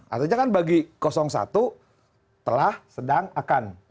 artinya kan bagi satu telah sedang akan